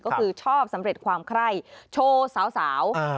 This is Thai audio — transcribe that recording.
ก็คือชอบสำเร็จความไคร้โชว์สาว